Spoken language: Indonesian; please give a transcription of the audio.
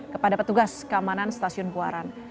kepada petugas keamanan stasiun buaran